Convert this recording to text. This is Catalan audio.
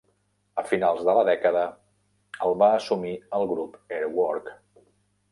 A finals de la dècada, el va assumir el grup Airwork.